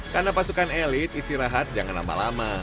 karena pasukan elit istirahat jangan lama lama